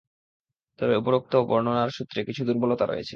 তবে উপরোক্ত বর্ণনার সূত্রে কিছু দুর্বলতা রয়েছে।